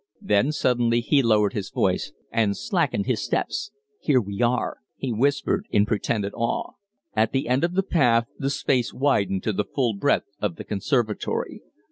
Then suddenly he lowered his voice and slackened his steps. "Here we are!" he whispered, in pretended awe. At the end of the path the space widened to the full breadth of the conservatory.